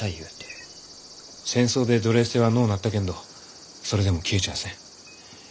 戦争で奴隷制はのうなったけんどそれでも消えちゃあせん。